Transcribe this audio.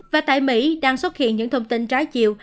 và tại mỹ đang xuất hiện những thông tin trái chiều